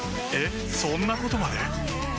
えっそんなことまで？